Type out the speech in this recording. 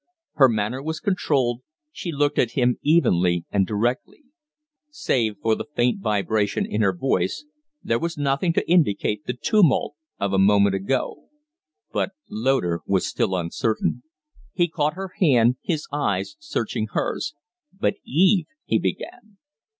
Her manner was controlled, she looked at him evenly and directly; save for the faint vibration in her voice there was nothing to indicate the tumult of a moment ago. But Loder was still uncertain. He caught her hand, his eyes searching hers. "But Eve " he began.